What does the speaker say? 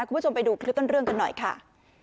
คุณผู้ชมไปดูคลิปต้นเรื่องกันหน่อยค่ะ